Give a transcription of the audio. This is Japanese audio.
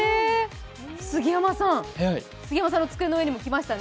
杉山さんの机の上にも来ましたね。